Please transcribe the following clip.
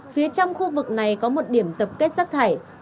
phía trong khu vực này có một điểm tập kết rác thải